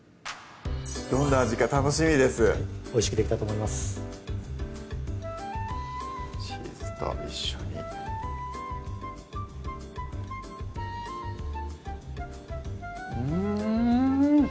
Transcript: どんな味か楽しみですおいしくできたと思いますチーズと一緒にうん！